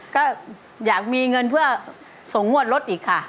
ก็อยากมีเงินเพื่อส่งงวดรถอีกค่ะ